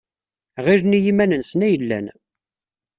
Ɣilen i yiman-nsen ay llan.